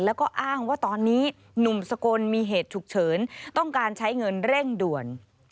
แล้วก็อ้างว่าตอนนี้หนุ่มสกลมีเหตุฉุกเฉินต้องการใช้เงินเร่งด่วน